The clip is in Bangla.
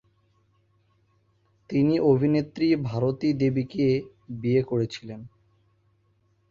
তিনি অভিনেত্রী ভারতী দেবীকে বিয়ে করেছিলেন।